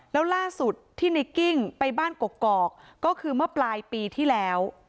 แล้วล่าสุดที่ในกิ้งไปบ้านกกอกก็คือเมื่อปลายปีที่แล้ว